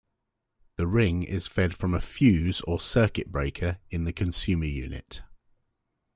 The ring is fed from a fuse or circuit breaker in the consumer unit.